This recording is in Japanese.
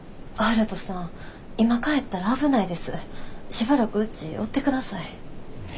しばらくうちおってください。